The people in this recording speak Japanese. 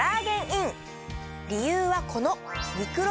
理由はこの。